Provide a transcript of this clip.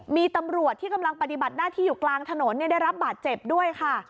มีตำรวจที่กำลังปฏิบัติหน้าที่อยู่กลางถนนได้รับบาดเจ็บด้วยค่ะ